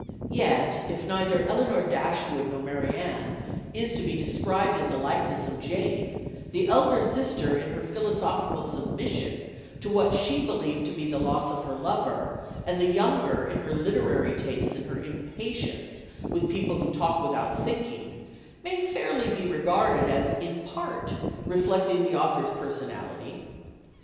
Yet if neither Elinor Dashwood nor Marianne is to be described as a likeness of Jane, the elder sister in her philosophical submission to what she believed to be the loss of her lover, and the younger in her literary tastes and her impatience with people who talk without thinking may fairly be regarded as in part reflecting the author's personality.